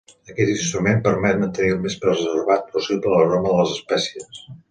Aquest instrument permet mantenir el més preservat possible l'aroma de les espècies.